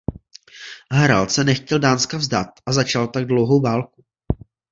Harald se nechtěl Dánska vzdát a začal tak dlouhou válku.